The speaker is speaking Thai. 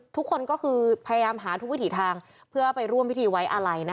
ทุกคนก็คือพยายามหาทุกวิถีทางเพื่อไปร่วมพิธีไว้อาลัย